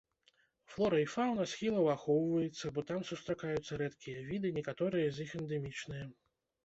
Флора і фаўна схілаў ахоўваецца, бо там сустракаюцца рэдкія віды, некаторыя з іх эндэмічныя.